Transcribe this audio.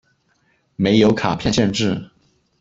没有卡片限制。